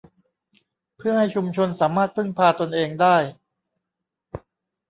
เพื่อให้ชุมชนสามารถพึ่งพาตนเองได้